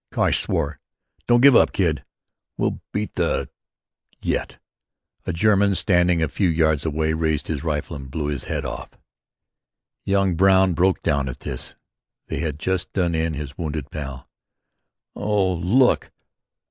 Cosh swore. "Don't give up, kid! We'll beat the yet!" A German standing a few yards away raised his rifle and blew his head off. Young Brown broke down at this they had just done in his wounded pal: "Oh, look!